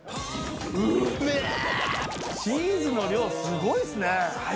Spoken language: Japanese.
チーズの量すごいっすね。